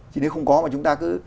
chứ nếu không có mà chúng ta cứ